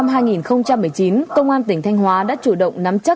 năm hai nghìn một mươi chín công an tỉnh thanh hóa đã chủ động nắm chắc